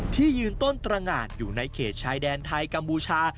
ที่ยืนต้นตรงานอยู่ในเขตชายแดนไทยกัมพูชา